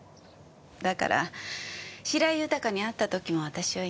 だから白井豊に会った時も私は言った。